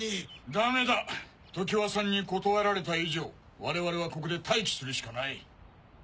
ダメだ常磐さんに断られた以上我々はここで待機するしかない。